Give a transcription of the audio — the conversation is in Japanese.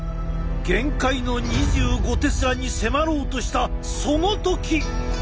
限界の２５テスラに迫ろうとしたその時！